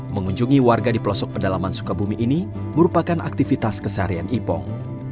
mengunjungi warga di pelosok pedalaman sukabumi ini merupakan aktivitas keseharian ipong